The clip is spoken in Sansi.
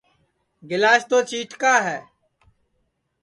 گِلاس تو چِیٹکا ہے